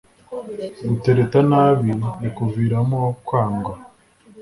gutereta nabi bikuviramo kwa ngwa